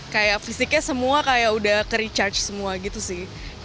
kayak fisiknya semua kayak udah ke recharge semua gitu sih